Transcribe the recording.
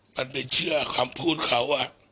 มันไปเชื่อคำพูดเขา